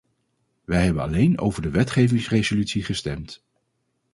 Wij hebben alleen over de wetgevingsresolutie gestemd.